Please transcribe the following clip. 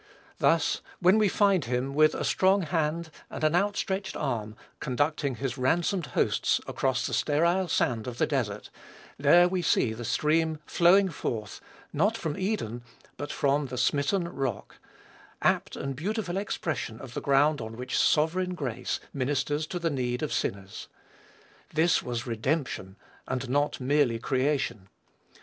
Thus, when we find him, with a strong hand, and an outstretched arm, conducting his ransomed hosts across the sterile sand of the desert, there we see the stream flowing forth, not from Eden, but from the smitten Rock, apt and beautiful expression of the ground on which sovereign grace ministers to the need of sinners! This was redemption, and not merely creation.